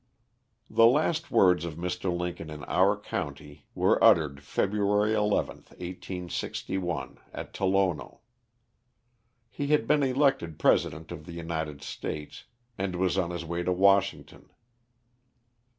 The last words of Mr. Lincoln in our county, were uttered Feb'y. 11, 1861, at Tolono. He had been elected President of the United States, and was on his way to Washington.